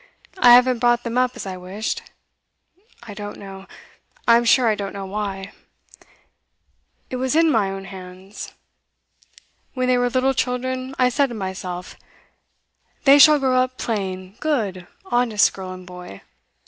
I haven't brought them up as I wished. I don't know I'm sure I don't know why. It was in own hands. When they were little children, I said to myself: hey shall grow up plain, good, honest girl and boy.